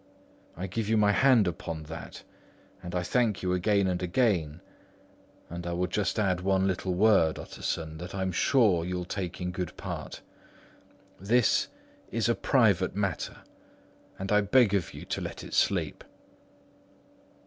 I give you my hand upon that; and I thank you again and again; and I will just add one little word, Utterson, that I'm sure you'll take in good part: this is a private matter, and I beg of you to let it sleep."